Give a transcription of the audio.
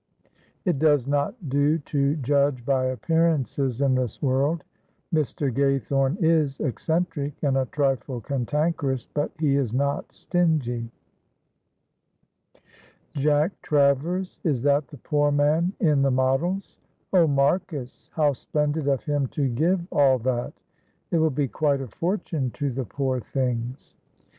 it does not do to judge by appearances in this world; Mr. Gaythorne is eccentric, and a trifle cantankerous, but he is not stingy." [Illustration: "Olive, look what Mr. Gaythorne has given me."] "Jack Travers! is that the poor man in the Models? Oh, Marcus, how splendid of him to give all that; it will be quite a fortune to the poor things."